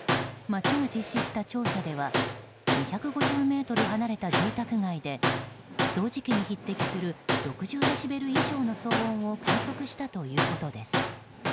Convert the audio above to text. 町が実施した調査では２５０ｍ離れた住宅街で掃除機に匹敵する６０デシベル以上の騒音を観測したということです。